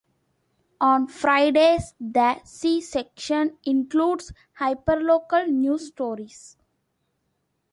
On Fridays the C-section includes hyperlocal news stories.